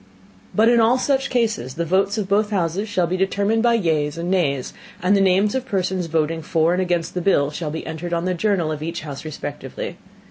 But in all such Cases the Votes of both Houses shall be determined by Yeas and Nays, and the Names of the Persons voting for and against the Bill shall be entered on the Journal of each House respectively.